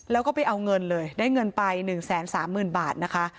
แล้วก็ไปเอาเงินเลยได้เงินไป๑๓๐๐๐บาทนะคะ